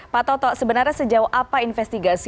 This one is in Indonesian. pak toto sebenarnya sejauh apa investigasi